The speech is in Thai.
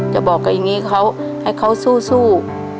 จะบอกกับอย่างนี้เขาให้เขาสู้